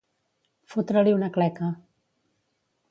Fotre-li una cleca.